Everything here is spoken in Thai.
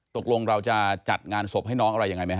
ตกลงเราจะจัดงานศพให้น้องอะไรยังไงไหมฮ